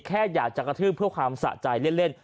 แค่อยากจะกระทืบเพื่อความสะใจเล่น